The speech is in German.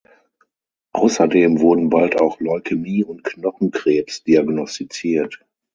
Außerdem wurden bald auch Leukämie und Knochenkrebs diagnostiziert.